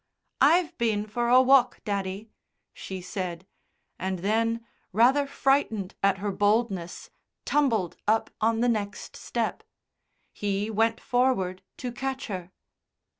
"I've been for a walk, daddy," she said, and then, rather frightened at her boldness, tumbled up on the next step. He went forward to catch her.